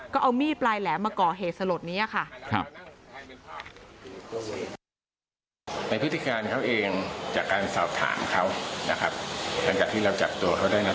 ก็เอามีดปลายแหลมมาก่อเหตุสลดนี้ค่ะ